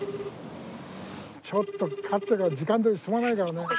ちょっと経ってるから時間どおり進まないからね。